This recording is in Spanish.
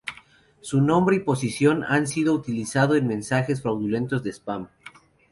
Su nombre y posición han sido utilizados en mensajes fraudulentos de spam.